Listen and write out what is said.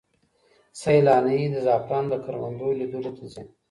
سیلانۍ د زعفرانو د کروندو لیدلو ته ځي.